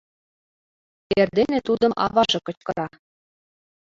Эрдене тудым аваже кычкыра: